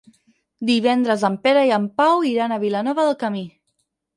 Divendres en Pere i en Pau iran a Vilanova del Camí.